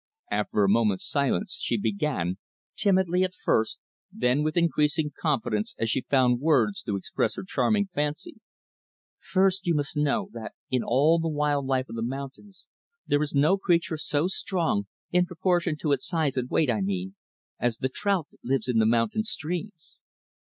After a moment's silence, she began timidly, at first, then with increasing confidence as she found words to express her charming fancy. "First, you must know, that in all the wild life of the mountains there is no creature so strong in proportion to its size and weight, I mean as the trout that lives in the mountain streams.